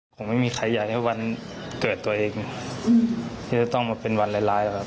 คงไม่มีใครอยากให้วันเกิดตัวเองที่จะต้องมาเป็นวันร้ายครับ